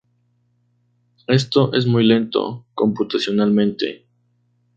Esto es muy lento computacionalmente.